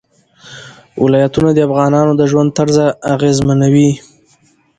ولایتونه د افغانانو د ژوند طرز اغېزمنوي.